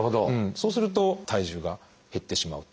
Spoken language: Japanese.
そうすると体重が減ってしまうと。